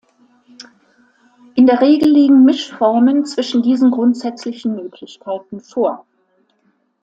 In der Regel liegen Mischformen zwischen diesen grundsätzlichen Möglichkeiten vor.